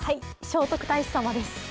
聖徳太子様です。